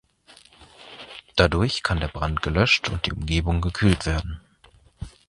Dadurch kann der Brand gelöscht und die Umgebung gekühlt werden.